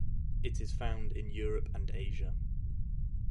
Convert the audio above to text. It is found in Europe and Asia.